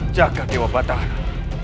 jaga dewa batara